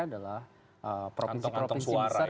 adalah provinsi provinsi besar